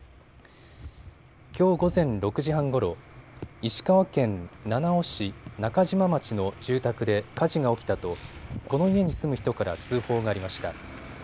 きょう午前６時半ごろ石川県七尾市中島町の住宅で火事が起きたとこの家に住む人から通報がありました。